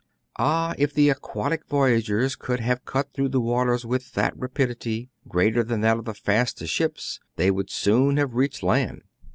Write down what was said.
Ah ! if the aquatic voyagers could have cut through the waters with that rapidity, greater than that of the fastest ships, they would soon have reached land.